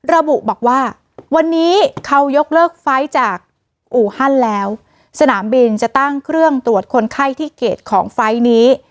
ระบุบอกว่าวันนี้เขายกเลิกไฟล์จากอู่ฮั่นแล้วสนามบินจะตั้งเครื่องตรวจคนไข้ที่เกรดของไฟล์นี้